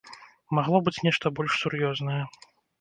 Магло быць нешта больш сур'ёзнае.